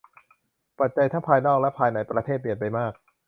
ปัจจัยทั้งภายนอกและภายในประเทศเปลี่ยนไปมาก